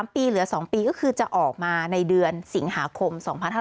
๓ปีเหลือ๒ปีก็คือจะออกมาในเดือนสิงหาคม๒๕๕๙